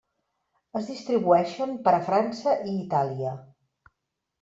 Es distribueixen per a França i Itàlia.